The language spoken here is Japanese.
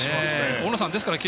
大野さん